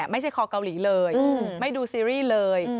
ไม่ใช่คอเกาหลีเลยไม่ดูซีรีส์เลย